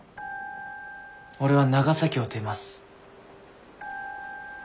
俺は長崎を出ます。